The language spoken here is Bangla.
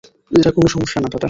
এটা কোনো সমস্যা না, দাদা।